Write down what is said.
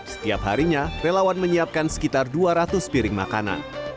setiap harinya relawan menyiapkan sekitar dua ratus piring makanan